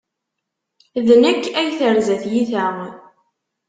D nekk ay terza tyita.